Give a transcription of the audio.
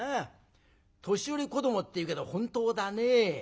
年寄り子どもって言うけど本当だね。